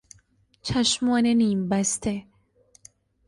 چشمان نیمبسته